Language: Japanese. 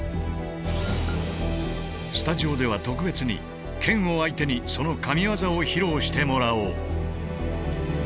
スタジオでは特別に剣を相手にその神技を披露してもらおう。